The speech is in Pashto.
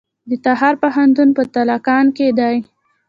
د تخار پوهنتون په تالقان کې دی